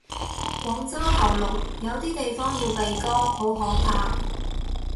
廣州喉嚨，有啲地方要鼻哥，好可怕。